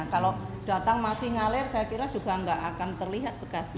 kalau datang masih ngalir saya kira juga nggak akan terlihat bekasnya